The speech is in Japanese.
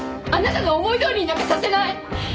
あなたの思いどおりになんかさせない！